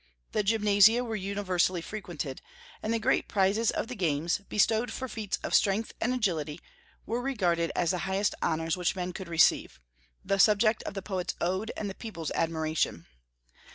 The gymnasia were universally frequented; and the great prizes of the games, bestowed for feats of strength and agility, were regarded as the highest honors which men could receive, the subject of the poet's ode and the people's admiration.